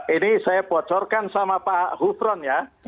ini saya bocorkan sama pak gufron ya